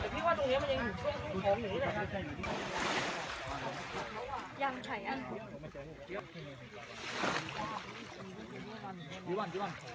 พวกเขาอร่อยอร่อยสุดสุด